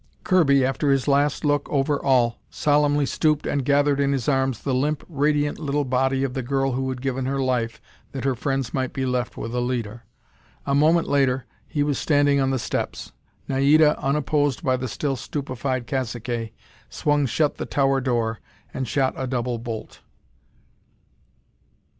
Kirby, after his last look over all, solemnly stooped and gathered in his arms the limp, radiant little body of the girl who had given her life that her friends might be left with a leader. A moment later, he was standing on the steps. Naida, unopposed by the still stupefied caciques, swung shut the tower door and shot a double bolt.